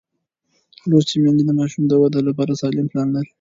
لوستې میندې د ماشوم د وده لپاره سالم پلان لري.